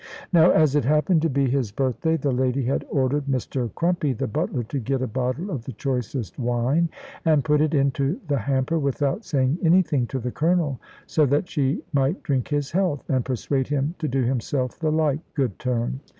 Now, as it happened to be his birthday, the lady had ordered Mr Crumpy, the butler, to get a bottle of the choicest wine, and put it into the hamper without saying anything to the Colonel, so that she might drink his health, and persuade him to do himself the like good turn.